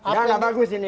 tidak tidak bagus ini